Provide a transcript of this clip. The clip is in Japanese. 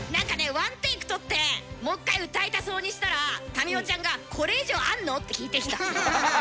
１テーク録ってもう一回歌いたそうにしたら民生ちゃんが「これ以上あんの？」って聞いてきた。